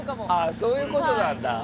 そういうことなんだ。